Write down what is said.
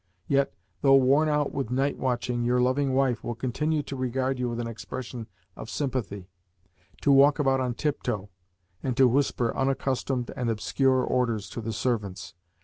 Yet, though worn out with night watching, your loving wife will continue to regard you with an expression of sympathy, to walk about on tiptoe, and to whisper unaccustomed and obscure orders to the servants.